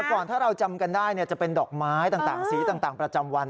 แต่ก่อนถ้าเราจำกันได้จะเป็นดอกไม้ต่างสีต่างประจำวัน